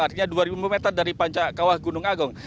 artinya dua ribu meter dari puncak kawah gunung agung